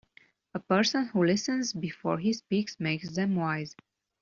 A person who listens before he speaks, makes them wise.